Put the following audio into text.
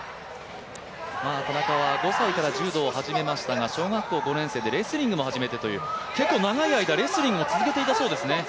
田中は５歳から柔道を始めたので小学校５年生でレスリングも始めてという、結構長い間、レスリングも続けていたそうですね。